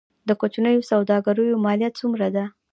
د کوچنیو سوداګریو مالیه څومره ده؟